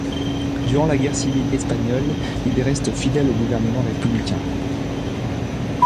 Durant la guerre civile espagnole, il reste fidèle au gouvernement républicain.